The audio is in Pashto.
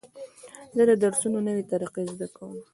زه د درسونو نوې طریقې زده کوم.